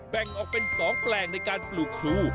แบ่งออกเป็น๒แปลงในการปลูกพลู